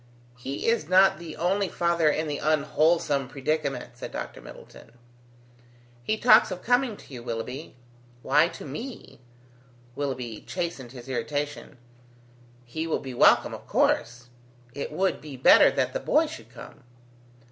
"He is not the only father in that unwholesome predicament," said Dr Middleton. "He talks of coming to you, Willoughby." "Why to me?" Willoughby chastened his irritation: "He will be welcome, of course. It would be better that the boy should come."